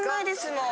もう。